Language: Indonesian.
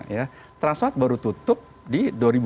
nah ya transport baru tutup di dua ribu dua puluh dua